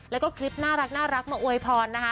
แล้วก็คลิปน่ารักมาอวยพรนะคะ